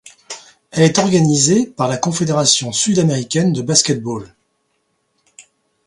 Elle est organisée par la Confédération sud-américaine de basket-ball.